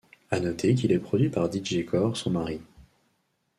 À noter qu'il est produit par Dj Kore son mari.